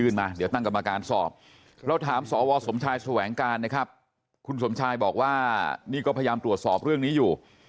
นี่ก็พยายามตรวจสอบเรื่องนี้อยู่